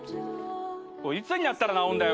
いつになったら直るんだよ